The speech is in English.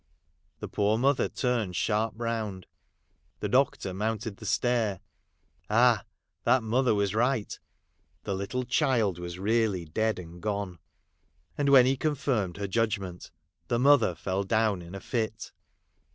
The poor mother turned sharp round. The doctor mounted the stair. All ! that mother was right ; the little child was really dead and gone: .,, And when he confirmed her judgment, the mother fell down in a fit.